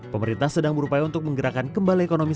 pemerintah sedang berupaya untuk menggerakkan kembali ekonomi